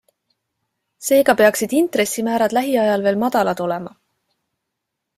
Seega peaksid intressimäärad lähiajal veel madalad olema.